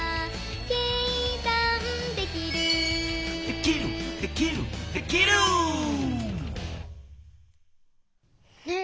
「計算できる」「できるできるできる」ねえ